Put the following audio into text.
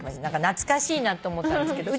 懐かしいなと思ったんですけど。